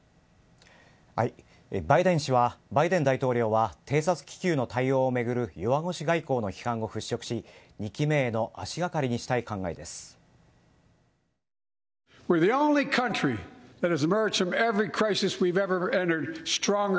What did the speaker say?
バイデン大統領は偵察気球の対応を巡る弱腰外交の批判を払拭し２期目への足がかりにしたい考えです。